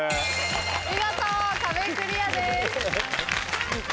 見事壁クリアです。